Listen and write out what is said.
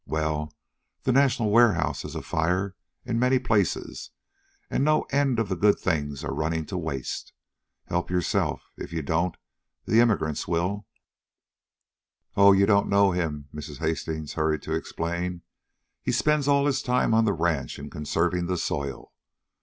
Well, the national warehouse is afire in many places, and no end of the good things are running to waste. Help yourself. If you don't, the immigrants will." "Oh, you don't know him," Mrs. Hastings hurried to explain. "He spends all his time on the ranch in conserving the soil.